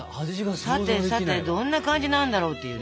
さてさてどんな感じになんだろうっていうね。